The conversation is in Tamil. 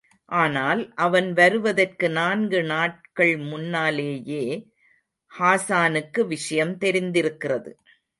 ஆனால் அவன் வருவதற்கு நான்கு நாட்கள் முன்னாலேயே ஹாசானுக்கு விஷயம் தெரிந்திருக்கிறது.